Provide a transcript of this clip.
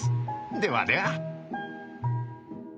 ではでは。